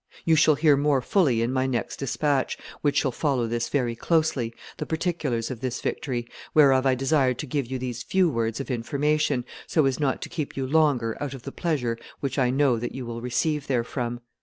You shall hear more fully in my next despatch, which shall follow this very closely, the particulars of this victory, whereof I desired to give you these few words of information, so as not to keep you longer out of the pleasure which I know that you will receive therefrom.